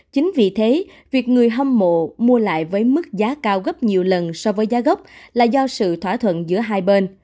chính vì thế việc người hâm mộ mua lại với mức giá cao gấp nhiều lần so với giá gốc là do sự thỏa thuận giữa hai bên